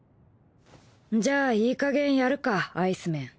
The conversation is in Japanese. じゃあいいかげんやるかアイスメン。